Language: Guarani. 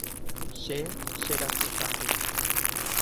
Che cherasykatu.